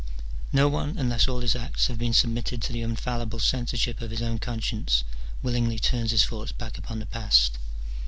No one, unless all his acts have been submitted to the infallible censorship of his own conscience, willingly turns his thoughts back upon the past.